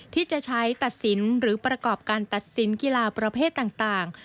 ที่จะใช้ตัดสินหรือประกอบการตัดสินกีฬาประเภทต่าง